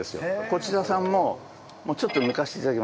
こちらさんももうちょっと抜かせて頂きます。